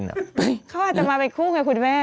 เขาอาจจะมาไข้คู่ไงคุณแหม